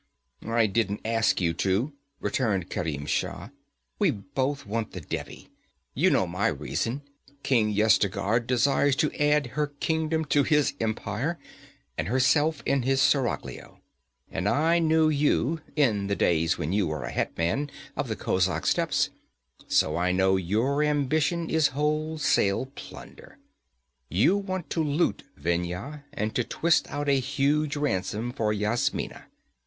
'I don't ask you to,' returned Kerim Shah. 'We both want the Devi. You know my reason; King Yezdigerd desires to add her kingdom to his empire, and herself in his seraglio. And I knew you, in the days when you were a hetman of the kozak steppes; so I know your ambition is wholesale plunder. You want to loot Vendhya, and to twist out a huge ransom for Yasmina.